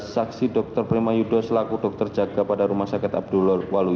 saksi dr prima yudha selaku dokter jaga pada rumah sakit abdiwalula